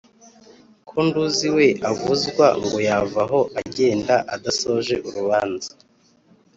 Ko nduzi we avuzwa Ngo yavaho agenda Adasoje urubanza